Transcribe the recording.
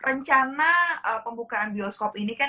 rencana pembukaan bioskop ini kan